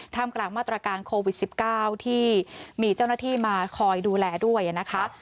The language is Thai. กลางมาตรการโควิด๑๙ที่มีเจ้าหน้าที่มาคอยดูแลด้วยนะคะ